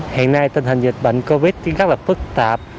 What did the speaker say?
hiện nay tình hình dịch bệnh covid thì rất là phức tạp